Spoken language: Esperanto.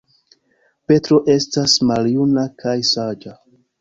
Petro estas maljuna kaj saĝa.